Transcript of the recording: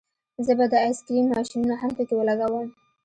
زه به د آیس کریم ماشینونه هم پکې ولګوم